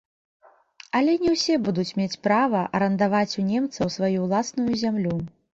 Але не ўсе будуць мець права арандаваць у немцаў сваю ўласную зямлю.